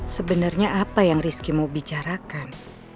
sebenarnya apa yang rizky mau bicarakan